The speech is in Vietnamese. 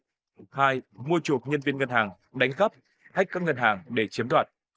một mua tài khoản ngân hàng của những nhân viên ngân hàng đánh khắp hách các ngân hàng để chiếm đoạt